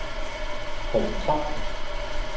紅湯